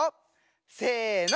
せの！